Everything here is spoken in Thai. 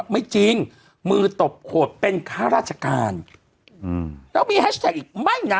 ไม่จริงมือตบโขดเป็นข้าราชการแล้วมีแฮชแท็กอีกไม่นะ